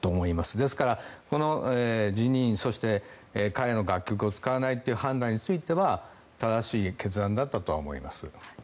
ですから、この辞任そして、彼の楽曲を使わないという判断については正しい決断だったとは思います。